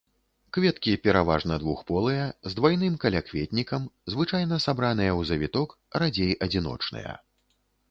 Кветкі пераважна двухполыя, з двайным калякветнікам, звычайна сабраныя ў завіток, радзей адзіночныя.